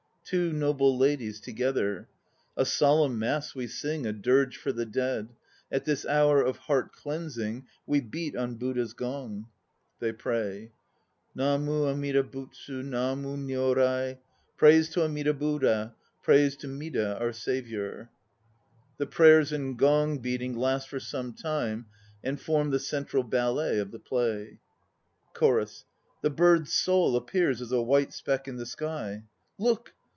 TWO NOBLE LADIES (together). A solemn Mass we sing A dirge for the Dead; At this hour of heart cleansing We beat on Buddha's gong. (They pray.) NAMU AMIDA BUTSU NAMU NYORAI Praise to Amida Buddha, Praise to Mida our Saviour! (The prayers and gong beating last for some time and form the central ballet of the play.) CHORUS (the bird's soul appears as a white speck in the sky). Look!